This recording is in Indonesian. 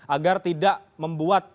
agar tidak membuat